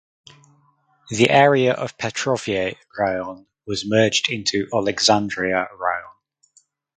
The area of Petrove Raion was merged into Oleksandriia Raion.